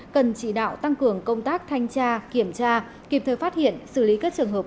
cần chỉ đạo tăng cường công tác thanh tra kiểm tra kịp thời phát hiện xử lý các trường hợp